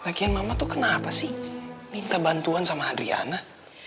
kakek mama tuh kenapa sih minta bantuan sama adriana